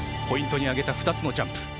ポイントに挙げた２つのジャンプ。